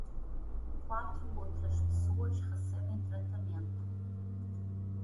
Quatro outras pessoas recebem tratamento.